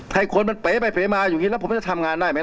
ไทยคนมันเป๋ไปเป๋มาอยู่นี้แล้วผมจะทำงานได้ไหมแล้ว